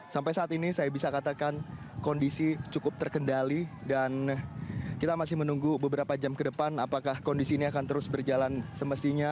sampai saat ini saya bisa katakan kondisi cukup terkendali dan kita masih menunggu beberapa jam ke depan apakah kondisi ini akan terus berjalan semestinya